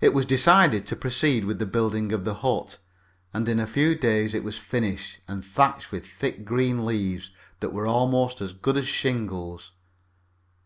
It was decided to proceed with the building of the hut, and in a few days it was finished and thatched with thick green leaves, that were almost as good as shingles.